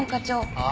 ああ？